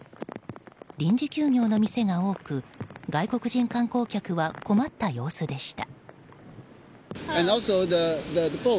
臨時休業の店が多く外国人観光客は困った様子でした。